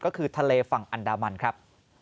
ก็คือทะเลฝั่งอันดามันครับ